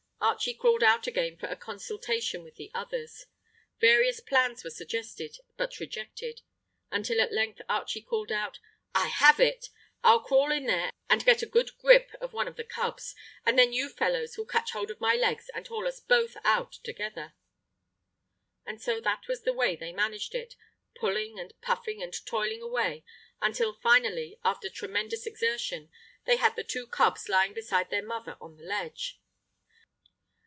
Archie crawled out again for a consultation with the others. Various plans were suggested but rejected, until at length Archie called out,— "I have it! I'll crawl in there and get a good grip of one of the cubs, and then you fellows will catch hold of my legs and haul us both out together." And so that was the way they managed it, pulling and puffing and toiling away until, finally, after tremendous exertion, they had the two cubs lying beside their mother on the ledge.